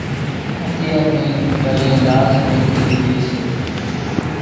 اتيار نيئين ٻايئين لاز ميڪِي ۮيڌِي سي۔